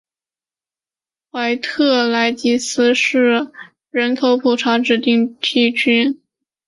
怀特普莱恩斯是一个位于美国阿拉巴马州卡尔霍恩县的非建制地区和人口普查指定地区。